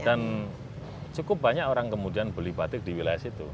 dan cukup banyak orang kemudian beli batik di wilayah situ